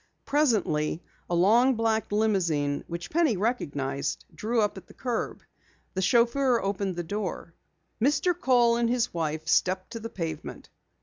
Presently a long black limousine which Penny recognized drew up at the curb. The chauffeur opened the door. Mr. Kohl and his wife stepped to the pavement.